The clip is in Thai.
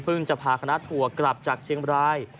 พึ่งจะพาคณะถั่วกลับจากเชียงบราย